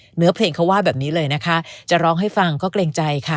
เหนือเพลงเขาว่าแบบนี้เลยนะคะจะร้องให้ฟังก็เกรงใจค่ะ